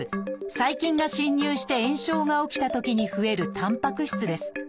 細菌が侵入して炎症が起きたときに増えるたんぱく質です。